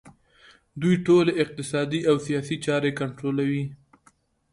دوی ټولې اقتصادي او سیاسي چارې کنټرولوي